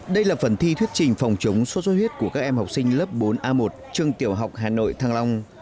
đây là phần thi thuyết trình phòng chống sốt xuất huyết của các em học sinh lớp bốn a một trường tiểu học hà nội thăng long